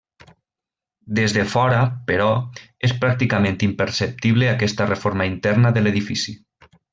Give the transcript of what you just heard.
Des de fora, però, és pràcticament imperceptible aquesta reforma interna de l'edifici.